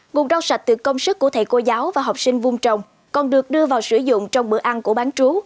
nguồn rau sạch từ công sức của thầy cô giáo và học sinh vung trồng còn được đưa vào sử dụng trong bữa ăn của bán trú